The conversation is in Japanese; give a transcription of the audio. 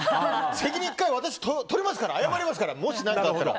責任は１回、私がとりますから謝りますから、もし何かあったら。